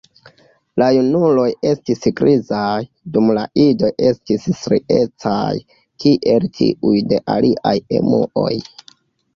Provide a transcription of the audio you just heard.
La junuloj estis grizaj, dum la idoj estis striecaj kiel tiuj de aliaj emuoj.